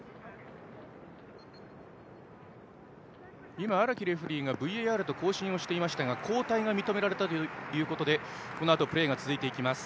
今、荒木レフリーがＶＡＲと交信していましたが交代が認められたということでこのあとプレーが続きます。